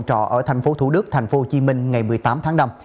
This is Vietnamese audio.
trọ ở thành phố thủ đức thành phố hồ chí minh ngày một mươi tám tháng năm